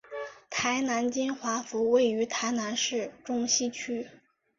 台南金华府位于台南市中西区。